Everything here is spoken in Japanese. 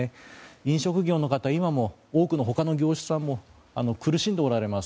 飲食業の方や、他の業種さんも苦しんでおられます。